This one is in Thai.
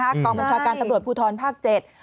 กองบัญชาการตำรวจภูทรภาค๗